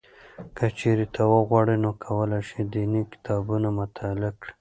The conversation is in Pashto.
که چېرې ته وغواړې نو کولای شې دیني کتابونه مطالعه کړې.